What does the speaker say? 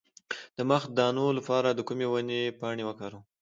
د مخ د دانو لپاره د کومې ونې پاڼې وکاروم؟